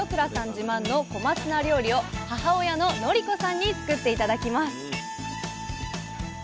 自慢の小松菜料理を母親の乃理子さんに作って頂きます！